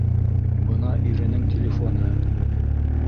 — Бына иренең телефоны